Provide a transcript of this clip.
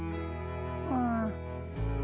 うん。